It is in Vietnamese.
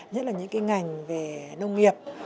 nhất là những ngành về nông nghiệp